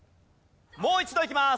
もう一度いきます！